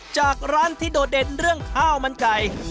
จากร้านที่โดดเด่นเรื่องข้าวมันไก่